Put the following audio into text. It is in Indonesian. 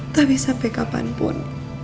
tapi sampai kapanpun